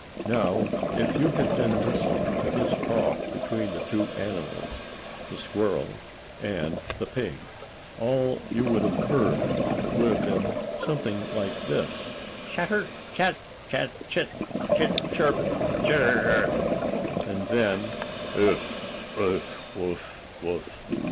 Now if you had been listening to this talk between the two animals the squirrel and the pig all you would have heard would have been something like this: "Chatter! Chat! Chat! Chit! Chit! Chirp! Chir r r r r r r r!" And then: "Uff! Uff!